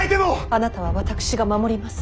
あなたは私が守ります。